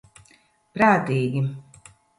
Prātīgi.